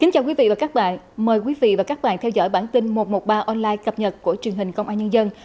chào mừng quý vị đến với bản tin một trăm một mươi ba online cập nhật của truyền hình công an nhân dân